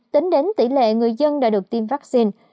tính đến tỷ lệ người dân đã được tiêm vaccine